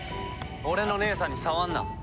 俺の姉さんに触んな。